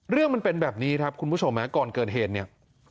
มันเป็นแบบนี้ครับคุณผู้ชมก่อนเกิดเหตุเนี่ย